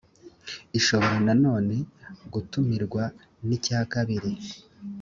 ishobora na none gutumirwa n icyakabiri